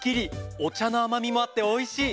お茶のあまみもあっておいしい！